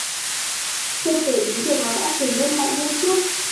Chưa kể đến việc nó đã trở nên mạnh hơn trước